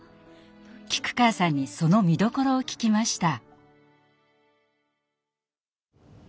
菊川さんにその見どころを聞きました。